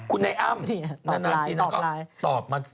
คุณนายอ้ำตอบไลน์ตอบไลน์